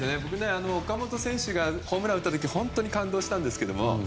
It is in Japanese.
岡本選手がホームランを打った時本当に感動したんですけど。